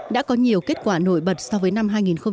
đã có nhiều kết quả nổi bật so với năm hai nghìn một mươi tám